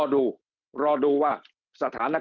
การเปิดห้างเปิดอะไรมาเนี่ย